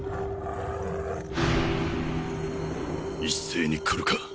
一斉に来るか？